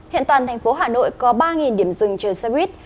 hiện toàn thành phố hà nội có ba điểm rừng chờ xe buýt